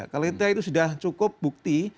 kalau itu sudah cukup bukti